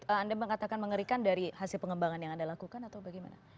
anda mengatakan mengerikan dari hasil pengembangan yang anda lakukan atau bagaimana